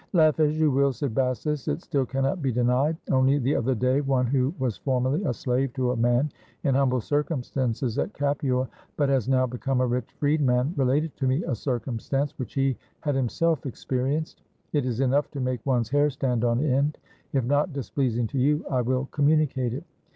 "Laugh as you will," said Bassus, "it still cannot be denied. Only the other day, one who was formerly a slave to a man in humble circumstances at Capua, but has now become a rich freedman, related to me a cir cumstance which he had himself experienced; it is enough to make one's hair stand on end. If not displeas ing to you, I will communicate it."